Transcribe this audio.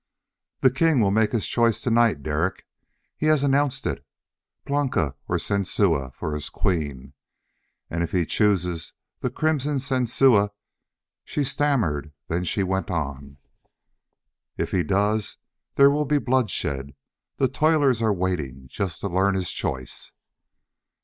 "The king will make his choice to night, Derek. He has announced it. Blanca or Sensua for his queen. And if he chooses the Crimson Sensua " She stammered, then she went on: "If he does there will be bloodshed. The toilers are waiting, just to learn his choice."